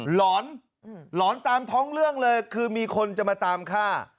หลอนหลอนตามท้องเรื่องเลยคือมีคนจะมาตามฆ่า